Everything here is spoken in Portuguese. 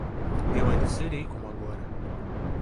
Eu ainda serei como agora